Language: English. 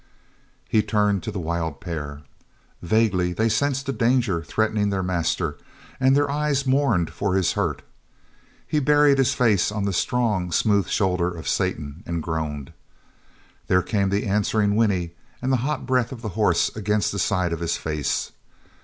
He turned to the wild pair. Vaguely they sensed a danger threatening their master, and their eyes mourned for his hurt. He buried his face on the strong, smooth shoulder of Satan, and groaned. There came the answering whinny and the hot breath of the horse against the side of his face.